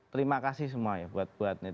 terima kasih semua ya buat netizen buat yang lain